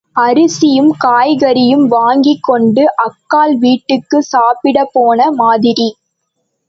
அரிசியும் காய்கறியும் வாங்கிக் கொண்டு அக்காள் வீட்டுக்குச் சாப்பிடப் போன மாதிரி.